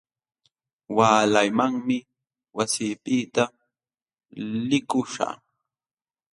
Waalaymanmi wasiykipiqta likuśhaq.